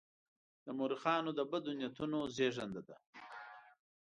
د مورخانو د بدو نیتونو زېږنده ده.